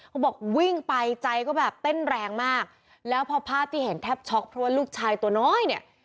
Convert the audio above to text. เขาบอกวิ่งไปใจก็แบบเต้นแรงมากแล้วพอภาพที่เห็นแทบช็อกเพราะว่าลูกชายตัวน้อยเนี่ย